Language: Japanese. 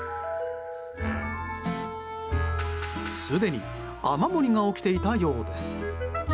すでに雨漏りが起きていたようです。